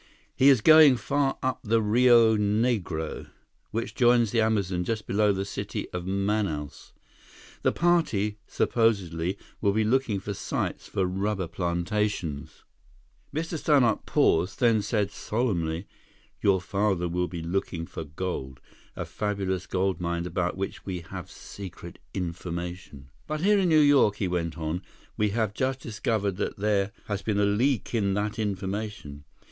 "He is going far up the Rio Negro, which joins the Amazon just below the city of Manaus. The party supposedly will be looking for sites for rubber plantations." Mr. Stannart paused, then said solemnly, "Your father will be looking for gold—a fabulous gold mine about which we have secret information. But here in New York," he went on, "we have just discovered that there has been a leak in that information.